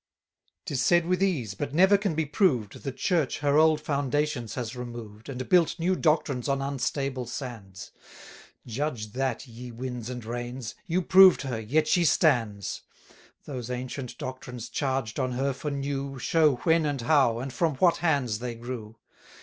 'Tis said with ease, but never can be proved, The Church her old foundations has removed, And built new doctrines on unstable sands: Judge that, ye winds and rains: you proved her, yet she stands. 590 Those ancient doctrines charged on her for new, Show when and how, and from what hands they grew.